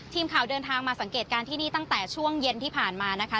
ทีมข่าวเดินทางมาสังเกตการณ์ที่นี่ตั้งแต่ช่วงเย็นที่ผ่านมานะคะ